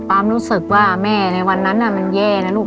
รู้สึกว่าแม่ในวันนั้นมันแย่นะลูก